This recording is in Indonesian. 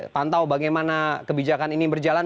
pantau bagaimana kebijakan ini berjalan